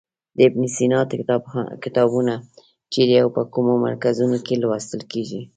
د ابن سینا کتابونه چیرې او په کومو مرکزونو کې لوستل کیږي.